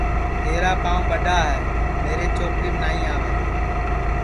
تیرا پانٚو ٻڈؔا ہے میرے چوپلیم نائی آوے